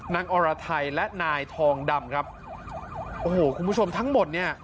อรไทยและนายทองดำครับโอ้โหคุณผู้ชมทั้งหมดเนี่ย